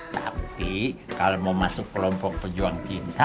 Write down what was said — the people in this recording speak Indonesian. tapi kalau mau masuk kelompok pejuang cinta